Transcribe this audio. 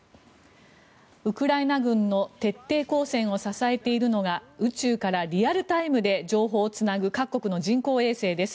ウクライナ軍の徹底抗戦を支えているのが宇宙からリアルタイムで情報をつなぐ各国の人工衛星です。